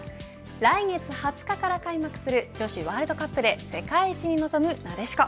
来月２０日から開幕する女子ワールドカップで世界一に臨むなでしこ。